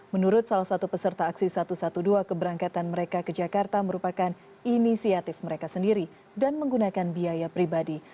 menurut salah satu peserta aksi satu ratus dua belas keberangkatan mereka ke jakarta merupakan inisiatif mereka sendiri dan menggunakan biaya pribadi